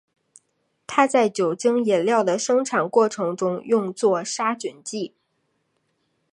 它在酒精饮料的生产过程中用作杀菌剂。